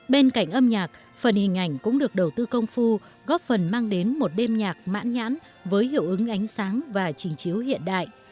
bên cạnh âm nhạc phần hình ảnh cũng được đầu tư công phu góp phần mang đến một đêm nhạc mãn nhãn với hiệu ứng ánh sáng và trình chiếu hiện đại